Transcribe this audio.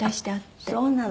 そうなの。